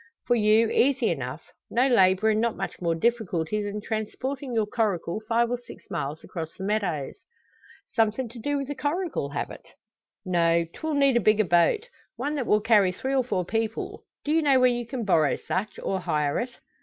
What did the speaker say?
"For you, easy enough. No labour and not much more difficulty than transporting your coracle five or six miles across the meadows." "Somethin' to do wi' the coracle, have it?" "No; 'twill need a bigger boat one that will carry three or four people. Do you know where you can borrow such, or hire it?"